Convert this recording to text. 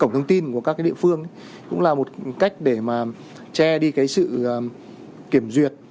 cổng thông tin của các địa phương cũng là một cách để mà che đi cái sự kiểm duyệt